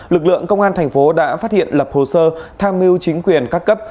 lực lượng công an thành phố đã phát hiện lập hồ sơ tham mưu chính quyền các cấp